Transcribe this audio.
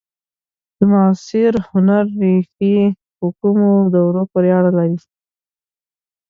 د معاصر هنر ریښې په کومو دورو پورې اړه لري؟